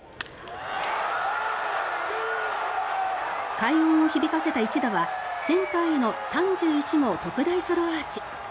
快音を響かせた一打はセンターへの３１号特大ソロアーチ。